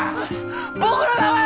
僕の名前は。